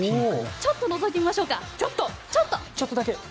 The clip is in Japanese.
ちょっとのぞいでみましょうか。